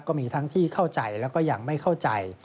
ก็มีทั้งที่เข้าใจแล้วก็ยังไม่เข้าใจ